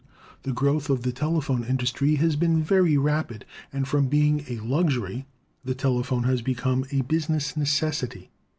The growth of the telephone industry has been very rapid, and from being a luxury the telephone has become a business necessity.